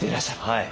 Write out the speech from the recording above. はい。